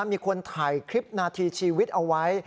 มีคนถ่ายคลิปนาทีชีวิตเอาไว้